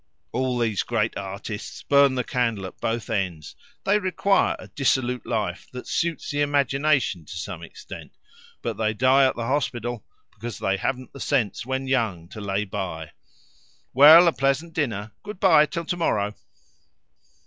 All these great artists burn the candle at both ends; they require a dissolute life, that suits the imagination to some extent. But they die at the hospital, because they haven't the sense when young to lay by. Well, a pleasant dinner! Goodbye till to morrow."